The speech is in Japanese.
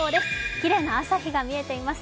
きれいな朝日が見えています。